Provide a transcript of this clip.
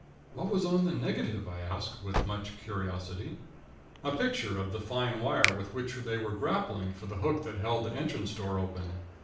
"What was on the negative?" I asked, with much curiosity. "A picture of the fine wire with which they were grappling for the hook that held the entrance door open.